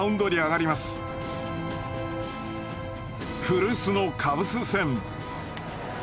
古巣のカブス戦。